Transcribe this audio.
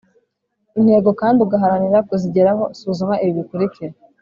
Intego kandi ugaharanira kuzigeraho suzuma ibi bikurikira